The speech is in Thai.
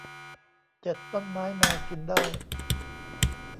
เจ็ด ต้นไม้แมวกินได้